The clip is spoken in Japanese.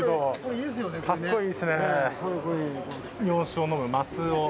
かっこいいですね。